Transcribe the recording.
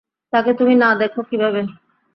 তাকে তুমি না দেখো কীভাবে?